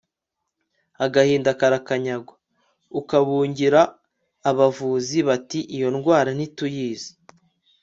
agahinda karakanyagwa, ukabungira abavuzi bati iyo ndwara ntituyizi